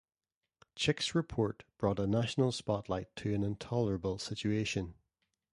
Chick's report brought a national spotlight to an intolerable situation.